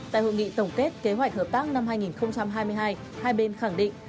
tại hội nghị tổng kết kế hoạch hợp tác năm hai nghìn hai mươi hai hai bên khẳng định